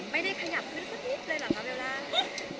ไม่ได้ขยับขึ้นสักทีเลยเว้ยล่ะ